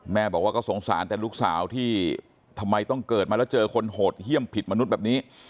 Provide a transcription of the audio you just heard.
แม่บอกว่าก็สงสารแต่ลูกสาวที่ทำไมต้องเกิดมาแล้วเจอคนโหดเยี่ยมผิดมนุษย์แบบนี้